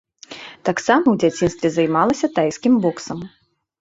Таксама ў дзяцінстве займалася тайскім боксам.